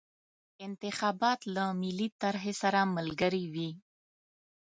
انتخابات له ملي طرحې سره ملګري وي.